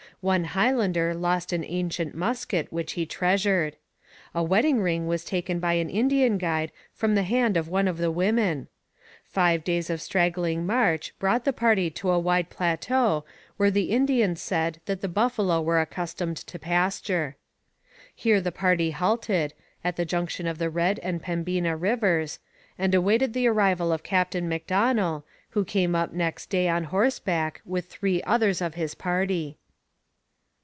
One Highlander lost an ancient musket which he treasured. A wedding ring was taken by an Indian guide from the hand of one of the women. Five days of straggling march brought the party to a wide plateau where the Indians said that the buffalo were accustomed to pasture. Here the party halted, at the junction of the Red and Pembina rivers, and awaited the arrival of Captain Macdonell, who came up next day on horseback with three others of his party.